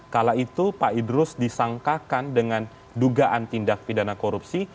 kala itu pak idrus disangkakan dengan dugaan tindak pidana korupsi